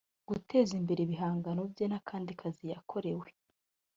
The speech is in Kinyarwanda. guteza imbere ibihangano bye n’akandi kazi yakorewe